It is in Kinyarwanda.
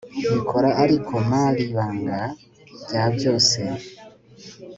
bikora ariko mar ibanga rya byose